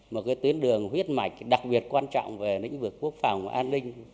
một tuyến đường huyết mạch đặc biệt quan trọng về lĩnh vực quốc phòng và an ninh